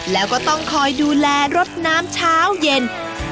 แล้วก็ต้องคอยดูแลรดน้ำเช้าเย็น